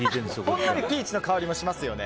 ほんのりピーチの香りもしますよね。